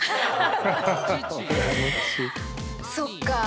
そっか。